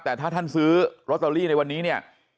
แต่ถ้าท่านซื้อลอตเตอรี่ในวันนี้เนี่ย